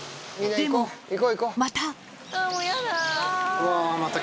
でも、また。